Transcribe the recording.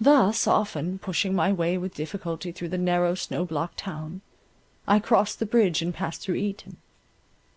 Thus often, pushing my way with difficulty through the narrow snow blocked town, I crossed the bridge and passed through Eton.